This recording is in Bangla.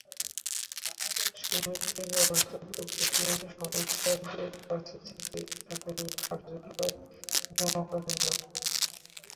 সমিতির ব্যবস্থাপক প্রতিমাসে সদস্যদের কাছ থেকে টাকা নিয়ে কার্যালয়ে জমা করেন না।